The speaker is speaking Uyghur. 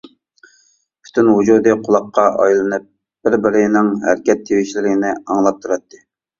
پۈتۈن ۋۇجۇدى قۇلاققا ئايلىنىپ، بىر-بىرىنىڭ ھەرىكەت تىۋىشلىرىنى ئاڭلاپ تۇراتتى.